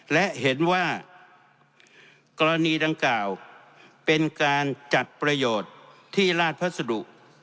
และเห็นว่ากรณีดังกล่าวเป็นการจัดประโยชน์ที่ราชพัสดุ